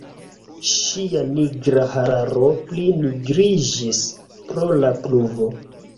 Ŝia nigra hararo pli nigriĝis pro la pluvo.